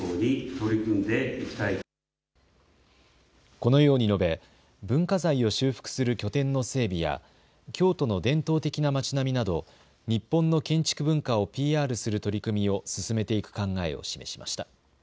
このように述べ、文化財を修復する拠点の整備や京都の伝統的な町並みなど日本の建築文化をＰＲする取り組みを進めていく考えを示しました。